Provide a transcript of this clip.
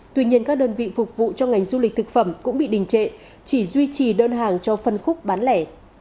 tuy nhiên các đơn vị phục vụ cho ngành du lịch thực phẩm cũng bị đình trệ chỉ duy trì đơn hàng cho phân khúc bán lẻ